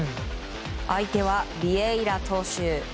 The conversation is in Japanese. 相手は、ビエイラ投手。